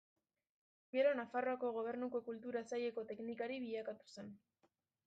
Gero Nafarroako Gobernuko Kultura Saileko teknikari bilakatu zen.